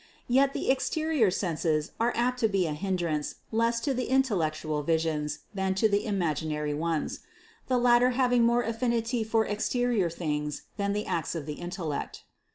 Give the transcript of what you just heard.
Yet the exterior senses are apt to be a hindrance less to the intellectual visions than to the imaginary ones, the latter having1 more affinity for exterior things than the acts of the intellect.